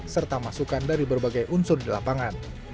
serta masukan dari berbagai unsur di lapangan